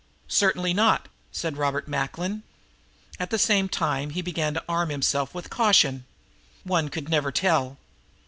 "Certainly not," said Robert Macklin. At the same time he began to arm himself with caution. One could never tell.